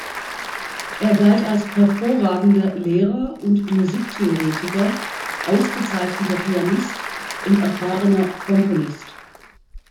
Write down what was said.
Er galt als hervorragender Lehrer und Musiktheoretiker, ausgezeichneter Pianist und erfahrener Komponist.